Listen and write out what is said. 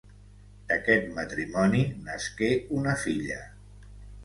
D'aquest matrimoni nasqué una filla.